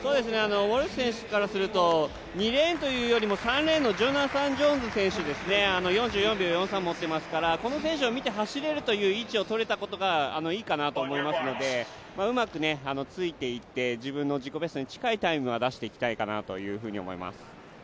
ウォルシュ選手からすると、２レーンのジョナサン・ジョーンズ選手、４４秒４３持ってますからこの選手を見て走れるという位置を取れたことがいいかなと思いますのでうまくついていって自分の自己ベストに近いタイムは出していきたいかなと思います。